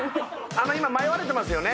今迷われてますよね？